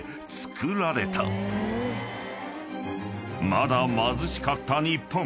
［まだ貧しかった日本］